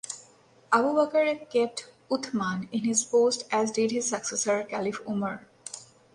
Abu Bakr kept Uthman in his post as did his successor Caliph Umar.